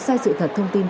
sai sự thật thông tin